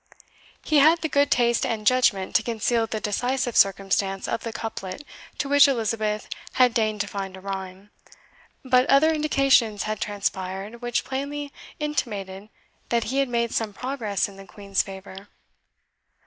He had the good taste and judgment to conceal the decisive circumstance of the couplet to which Elizabeth had deigned to find a rhyme; but other indications had transpired, which plainly intimated that he had made some progress in the Queen's favour.